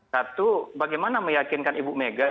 satu bagaimana meyakinkan ibu mega